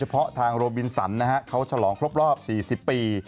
เฉพาะทางโรบินสันนะครับเขาฉลองครบรอบ๔๐ปี